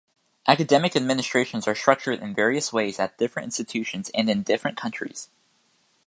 Academic administrations are structured in various ways at different institutions and in different countries.